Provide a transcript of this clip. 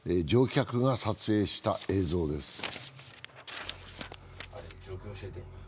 乗客が撮影した映像です。